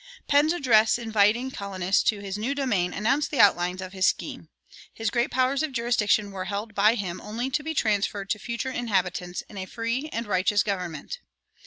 Penn's address inviting colonists to his new domain announced the outlines of his scheme. His great powers of jurisdiction were held by him only to be transferred to the future inhabitants in a free and righteous government.